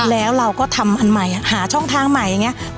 แล้วเราก็ทำอันใหม่หาช่องทางใหม่อย่างนี้